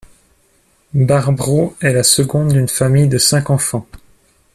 Barbro est la seconde d'une famille de cinq enfants.